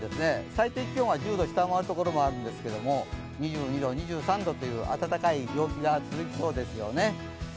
最低気温は１０度下回るところもあるんですが２２度、２３度という暖かい陽気が続きそうですね。